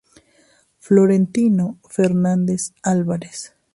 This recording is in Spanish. Florentino Fernández Álvarez.